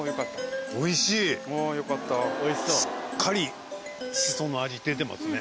しっかりしその味出てますね。